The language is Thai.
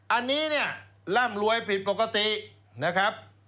อันนี้เนี่ยร่ำรวยผิดปกตินะครับ